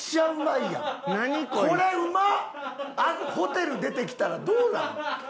ホテル出てきたらどうなん？